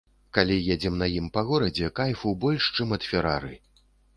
Калі едзем на ім па горадзе, кайфу больш, чым ад ферары.